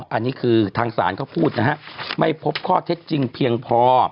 อันนี้คือทางศาลเขาพูดนะฮะไม่พบข้อเท็จจริงเพียงพอ